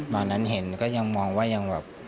วันนั้นเห็นก็ยังมองว่ายังแบบ